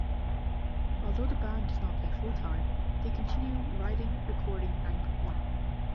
Although the band does not play full-time, they continue writing, recording, and performing.